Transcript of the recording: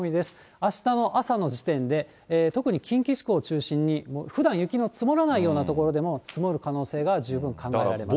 あしたの朝の時点で、特に近畿地方を中心に、ふだん雪の積もらないような所でも、積もる可能性が十分考えられます。